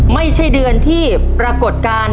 ไม่ใช่เดือนที่ปรากฏการณ์